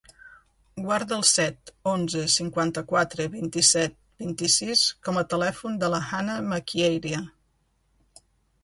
Guarda el set, onze, cinquanta-quatre, vint-i-set, vint-i-sis com a telèfon de la Hanna Maquieira.